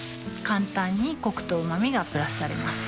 簡単にコクとうま味がプラスされます